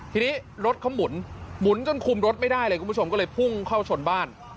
ทีนี้รถเขาหมุนหมุนจนคุมรถไม่ได้เลยคุณผู้ชมก็เลยพุ่งเข้าชนบ้าน